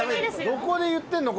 どこで言ってんの？